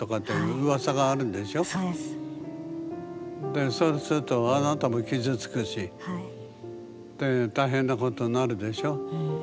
でそうするとあなたも傷つくしで大変なことになるでしょう。